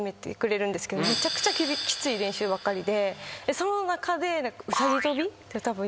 その中で。